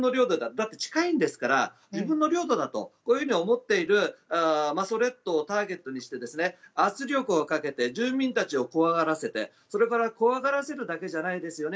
だって近いんですから自分の領土だとこう思っている馬祖列島をターゲットにして圧力をかけて住民たちを怖がらせてそれから怖がらせるだけじゃないですよね。